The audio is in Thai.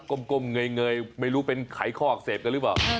ก้มเงยไม่รู้เป็นไขข้ออักเสบกันหรือเปล่า